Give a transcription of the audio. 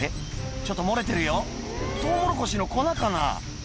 ちょっと漏れてるよトウモロコシの粉かな」